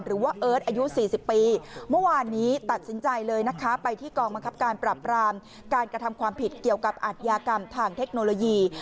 หรือว่าเอิร์ทอายุ๔๐ปีเมื่อวานนี้ตัดสินใจเลยนะคะไปที่กองมังคับการผลัดการการกระทำความผิดให้เห็นอุปกรณ์การอาทญากรรมทางเทคโนโลยี